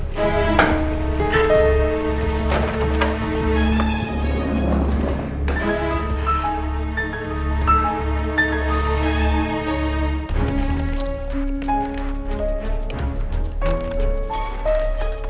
bismillahirrahmanirrahim allah maha allah